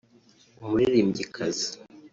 umuririmbyikazi